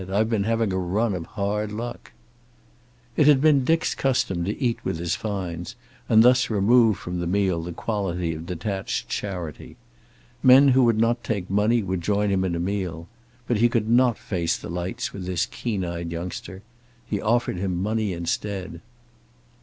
"I've been having a run of hard luck." It had been Dick's custom to eat with his finds, and thus remove from the meal the quality of detached charity. Men who would not take money would join him in a meal. But he could not face the lights with this keen eyed youngster. He offered him money instead.